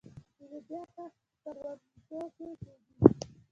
د لوبیا کښت په کروندو کې کیږي.